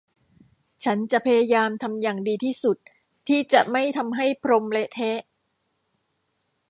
ฉันจะพยายามทำอย่างดีที่สุดที่จะไม่ทำให้พรมเละเทะ